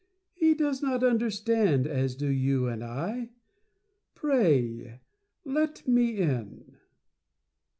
He does not 'Understand,' as do you and I. Pray, let me in."